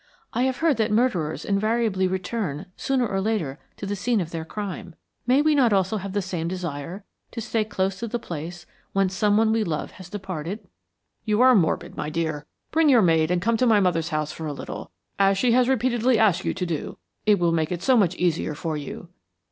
I have heard that murderers invariably return sooner or later to the scene of their crime. May we not also have the same desire to stay close to the place whence some one we love has departed?" "You are morbid, dear. Bring your maid and come to my mother's house for a little, as she has repeatedly asked you to do. It will make it so much easier for you."